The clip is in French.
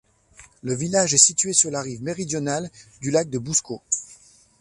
Le village est situé sur la rive méridionale du lac de Buško.